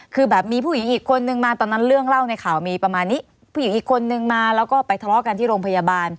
คือแบบมีผู้หญิงอีกคนนึงมาตอนนั้นเรื่องเล่าในข่าวมีประมาณนี้ผู้หญิงอีกคนนึงมาแล้วก็ไปทะเลาะกันที่โรงพยาบาล